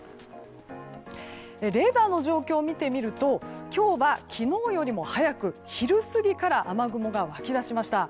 レーダーの状況を見てみると今日は昨日よりも早く昼過ぎから雨雲が湧き出しました。